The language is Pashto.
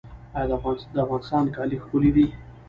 د افغانستان کالي ښکلي دي